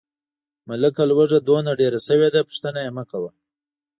ملکه لوږه دومره ډېره شوې ده، پوښتنه یې مکوه.